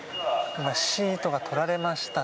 今シートが取られました。